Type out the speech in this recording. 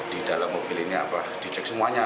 di dalam mobil ini di cek semuanya